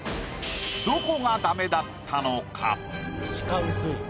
どこがダメだったのか？